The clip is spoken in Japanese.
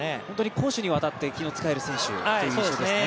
攻守にわたって使える選手ということですね。